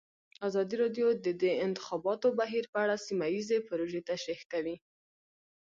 ازادي راډیو د د انتخاباتو بهیر په اړه سیمه ییزې پروژې تشریح کړې.